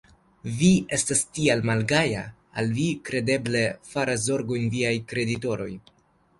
Vi estas tiel malgaja, al vi kredeble faras zorgojn viaj kreditoroj?